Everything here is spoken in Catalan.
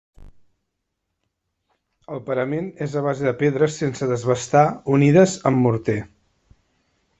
El parament és a base de pedres sense desbastar unides amb morter.